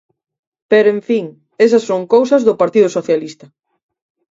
Pero, en fin, esas son cousas do Partido Socialista.